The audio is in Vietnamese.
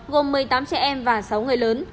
gồm một mươi tám trẻ em và sáu người lớn